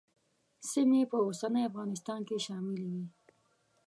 سیمې په اوسني افغانستان کې شاملې وې.